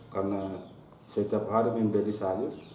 karena setiap hari menjadi sayur